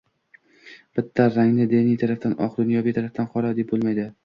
Bitta rangni diniy tarafdan oq, dunyoviy tarafdan qora, deb bo‘lmaydi.